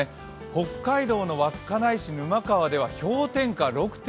北海道の稚内市沼川では氷点下６．２度。